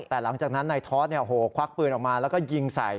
แต่หลังจากนั้นนายทอสควักปืนออกมาแล้วก็ยิงใส่